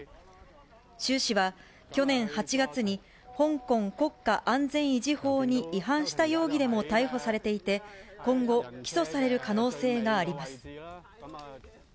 周氏は去年８月に、香港国家安全維持法に違反した容疑でも逮捕されていて、今後、起訴される可能性があります。